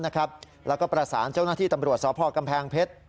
แล้วก็ประสานเจ้าหน้าที่ตำรวจสพกำแพงเพชร